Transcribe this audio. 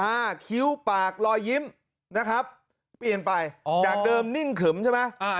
คิ้วปากลอยยิ้มนะครับเปลี่ยนไปอ๋อจากเดิมนิ่งขึมใช่ไหมอ่า